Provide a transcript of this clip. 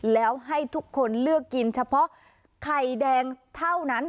แล้วให้ทุกคนเลือกกินเฉพาะไข่แดงเท่านั้น